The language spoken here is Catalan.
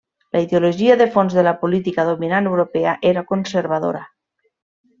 La ideologia de fons de la política dominant europea era conservadora.